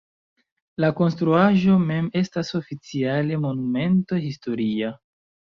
La konstruaĵo mem estas oficiale Monumento historia.